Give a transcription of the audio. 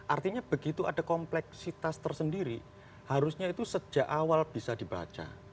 artinya begitu ada kompleksitas tersendiri harusnya itu sejak awal bisa dibaca